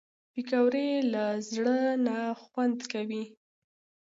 پکورې له زړه نه خوند کوي